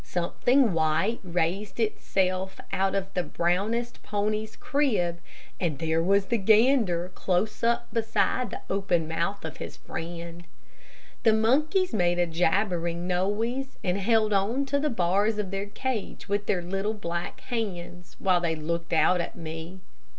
Something white raised itself up out of the brownest pony's crib, and there was the gander close up beside the open mouth of his friend. The monkeys make a jabbering noise, and held on to the bars of their cage with their little black hands, while they looked out at me.